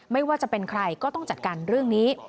ไม่ว่าจะเป็นใครก็ต้องจัดการเรื่องนี้